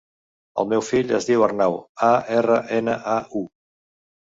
El meu fill es diu Arnau: a, erra, ena, a, u.